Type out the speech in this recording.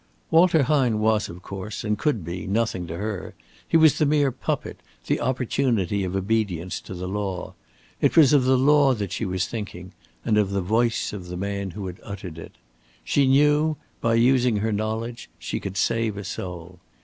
Walter Hine was, of course, and could be, nothing to her. He was the mere puppet, the opportunity of obedience to the law. It was of the law that she was thinking and of the voice of the man who had uttered it. She knew by using her knowledge, she could save a soul.